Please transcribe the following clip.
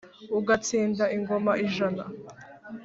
ugatsinda ingoma ijana.